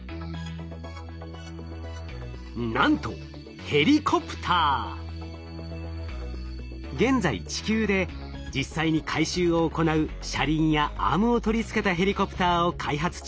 なんと現在地球で実際に回収を行う車輪やアームを取り付けたヘリコプターを開発中。